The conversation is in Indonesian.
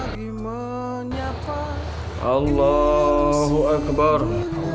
wa rahmatullah wa barakatuh